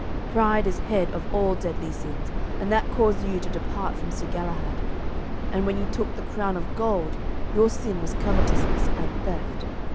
Pride is head of all deadly sins, and that caused you to depart from Sir Galahad. And when ye took the crown of gold your sin was covetousness and theft.